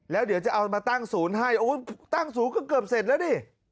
แล้วเดี๋ยวจะเอามาตั้งศูนย์ให้โอ้ยตั้งศูนย์ก็เกือบเสร็จแล้วดิ